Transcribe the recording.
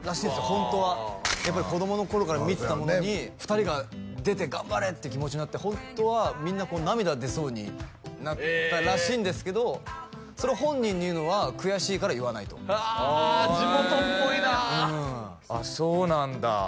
ホントはやっぱり子供の頃から見てたものに２人が出て頑張れって気持ちになってホントはみんな涙出そうになったらしいんですけどそれを本人に言うのは悔しいから言わないとあ地元っぽいなあああへえあっそうなんだ